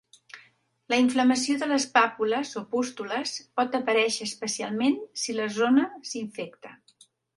La inflamació de les pàpules o pústules pot aparèixer especialment si la zona s'infecta.